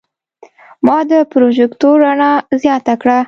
ما د پروجیکتور رڼا زیاته کړه.